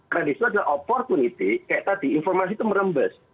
karena itu ada kesempatan kayak tadi informasi itu merembes